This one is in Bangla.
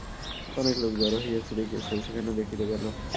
অনেক লোক জড়ো হইয়াছে দেখিয়া সেও সেখানে দেখিতে গেল।